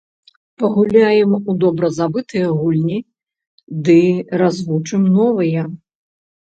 Пагуляем у добра забытыя гульні ды развучым новыя.